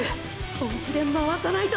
本気で回さないと。